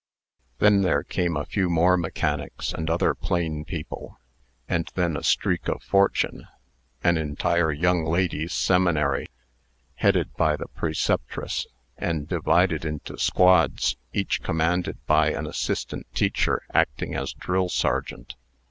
Then there came a few more mechanics and other plain people, and then a streak of fortune an entire young ladies' seminary, headed by the preceptress, and divided into squads, each commanded by an assistant teacher acting as drill sergeant.